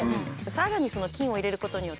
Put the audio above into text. さらに金を入れることによって美しい。